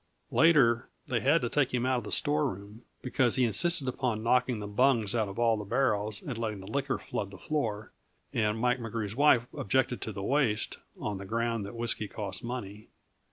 Later, they had to take him out of the storeroom, because he insisted upon knocking the bungs out of all the barrels and letting the liquor flood the floor, and Mike McGrew's wife objected to the waste, on the ground that whisky costs money.